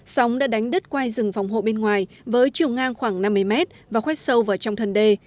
sóng đã đánh đất quay rừng phòng hộ bên ngoài với chiều ngang khoảng năm mươi mét và khoét sâu vào trong thân đê